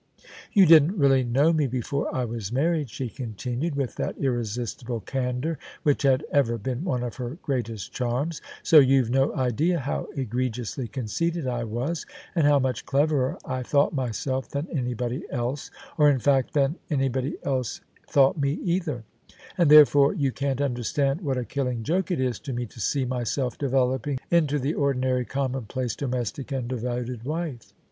" You didn't really know me before I was married," she continued, with that irresistible candour which had ever been one of her greatest charms :" so you've no idea how egre giously conceited I was, and how much cleverer I thought myself than anybody else — or in fact than anybody else though me either: and therefore you can't understand what a killing joke it is to me to see myself developing into the [37.3 THE SUBJECTION ordinary commonplace, domestic and devoted wife.